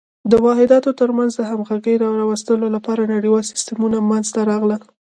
د واحداتو تر منځ د همغږۍ راوستلو لپاره نړیوال سیسټمونه منځته راغلل.